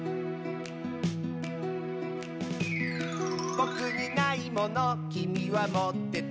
「ぼくにないものきみはもってて」